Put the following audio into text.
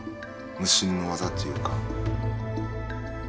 無心の技というか。